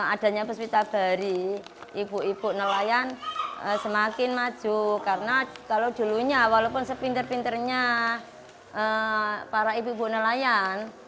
adanya puspita bahari ibu ibu nelayan semakin maju karena kalau dulunya walaupun sepinter pinternya para ibu ibu nelayan